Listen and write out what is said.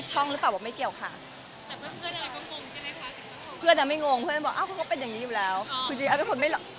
สัมภาษณ์ในที่เราคุยกันเรื่องเดียวกันอ๋อเรื่องนี้เรื่องนี้